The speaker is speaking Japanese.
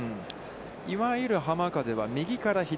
いわゆる浜風は右から左。